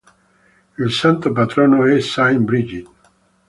Il Santo Patrono è St. Brigid.